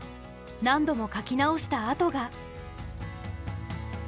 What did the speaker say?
何度も描き直した跡が。